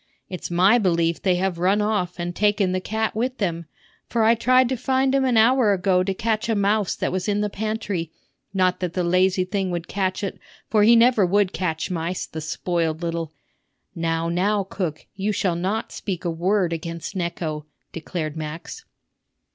It's my belief they have run off, and taken the cat with them; for I tried to find him an hour ago to catch a mouse that was in the pantry; not that the lazy thing would catch it, for he never would catch mice, the spoiled little—" "Now, now, cook, you shall not speak a word against Necho," declared Max.